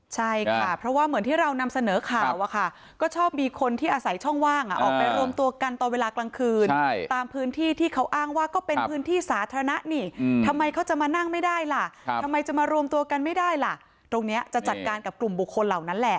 ใช่ค่ะเพราะว่าเหมือนที่เรานำเสนอข่าวอะค่ะก็ชอบมีคนที่อาศัยช่องว่างออกไปรวมตัวกันตอนเวลากลางคืนตามพื้นที่ที่เขาอ้างว่าก็เป็นพื้นที่สาธารณะนี่ทำไมเขาจะมานั่งไม่ได้ล่ะทำไมจะมารวมตัวกันไม่ได้ล่ะตรงนี้จะจัดการกับกลุ่มบุคคลเหล่านั้นแหละ